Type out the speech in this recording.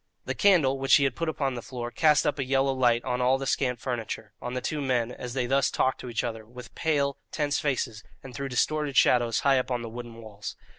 The candle, which he had put upon the floor, cast up a yellow light on all the scant furniture, on the two men as they thus talked to each other, with pale, tense faces, and threw distorted shadows high up on the wooden walls.